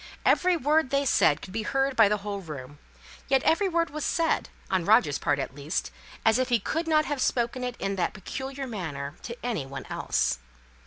Every word they said could be heard by the whole room; yet every word was said, on Roger's part at least, as if he could not have spoken it in that peculiar manner to any one else.